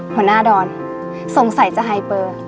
หัวหน้าดอนสงสัยจะไฮเปอร์